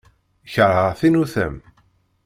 Kerheɣ tinutam.